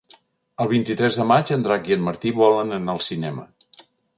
El vint-i-tres de maig en Drac i en Martí volen anar al cinema.